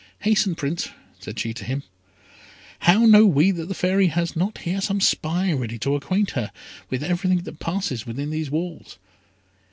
"Hasten, Prince," said she to him; "how know we that the Fairy has not here some spy ready to acquaint her with everything that passes within these walls?